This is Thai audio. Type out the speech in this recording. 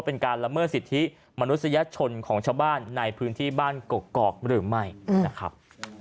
เป็นการละเมิดสิทธิมนุษยชนของชาวบ้านในพื้นที่บ้านกกอกหรือไม่นะครับ